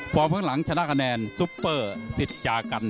ข้างหลังชนะคะแนนซุปเปอร์สิตจากัน